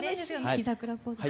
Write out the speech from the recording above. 「秘桜」ポーズ。